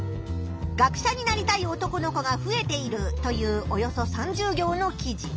「学者になりたい男の子が増えている」というおよそ３０行の記事。